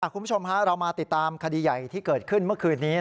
คุณผู้ชมเรามาติดตามคดีใหญ่ที่เกิดขึ้นเมื่อคืนนี้